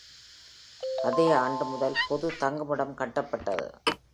அதே ஆண்டு முதல் பொது தங்குமிடம் கட்டப்பட்டது.